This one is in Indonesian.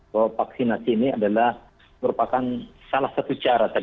bahwa vaksinasi ini adalah merupakan salah satu cara